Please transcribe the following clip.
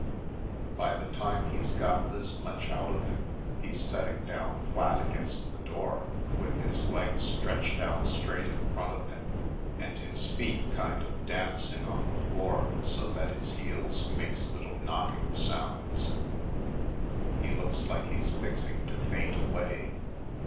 By the time he's got this much out of him he's setting down flat against the door, with his legs stretched out straight in front of him and his feet kind of dancing on the floor so that his heels makes little knocking sounds. He looks like he's fixing to faint away.